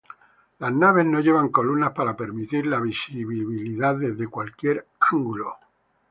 Las naves no llevan columnas para permitir la visibilidad desde cualquier ángulo.